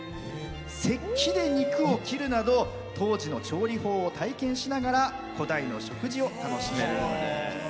石器で肉を切るなど当時の調理法を体験しながら古代の食事を楽しめるんです。